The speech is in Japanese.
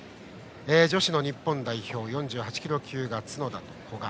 女子の日本代表４８キロ級が角田と古賀。